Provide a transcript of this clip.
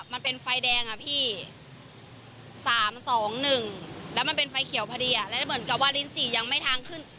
มันเป็นไฟแดงอ่ะพี่๓๒๑แล้วมันเป็นไฟเขียวพอดีแล้วเหมือนกับว่าลิ้นจี่ยังไม่ทางขึ้น